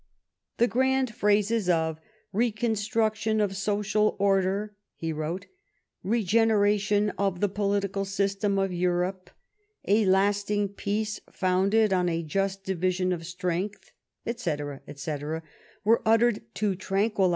" The grand phrases of ' reconstruction of social orchr,' " he wrote, "' regeneration of the political system of Europe,' ' a lasting peace founded on a just division of strength,' &c. &c., were uttered to tranquilli.